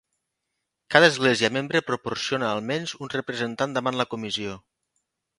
Cada església membre proporciona almenys un representant davant la Comissió.